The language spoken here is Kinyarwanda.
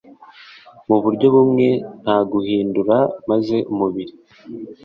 mu buryo bumwe nta guhindura maze umubiri